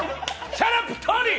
シャーラップ、トニー！